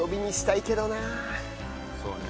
そうね。